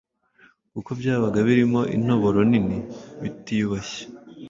kuko byabaga birimo intoboro nini bitiyubashye.